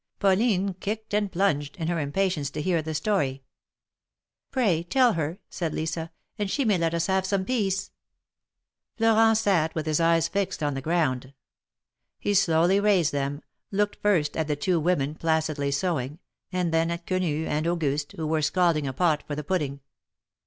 Pauline kicked and plunged, in her impatience to hear the story. Pray, tell her," said Lisa, and she may let us have some peace !" Florent sat with his eyes fixed on the ground. He slowly raised them, looked first at the two women placidly sewing, and then at Quenu and Auguste, who were Scald ing a pot for the pudding.